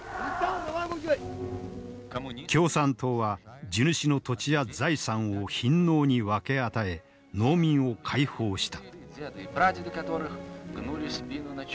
共産党は地主の土地や財産を貧農に分け与え農民を解放した。